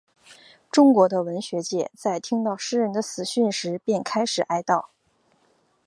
中国的文学界在听到诗人的死讯时便开始哀悼。